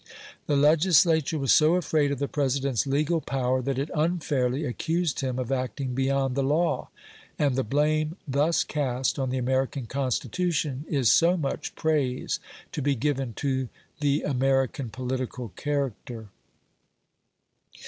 The legislature was so afraid of the President's legal power that it unfairly accused him of acting beyond the law. And the blame thus cast on the American Constitution is so much praise to be given to the American political character.